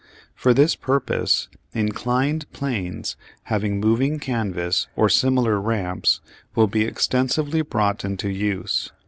For this purpose, inclined planes having moving canvas or similar ramps will be extensively brought into use.